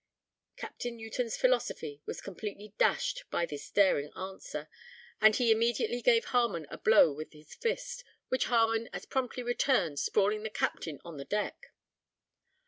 Capt. Newton's philosophy was completely dashed by this daring answer, and he immediately gave Harmon a blow with his fist, which Harmon as promptly returned sprawling the captain on the deck.